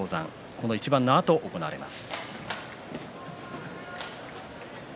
この一番のあとに行われます。